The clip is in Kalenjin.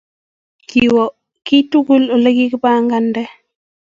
Kiwo kiy tugul olegogipangan